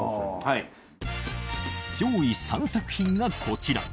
上位３作品がこちら。